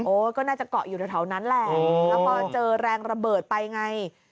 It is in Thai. โอ้ก็น่าจะเกาะอยู่ในเท่านั้นแหละแล้วก็เจอแรงระเบิดไปไง